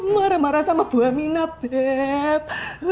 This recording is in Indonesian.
marah marah sama buah mina bep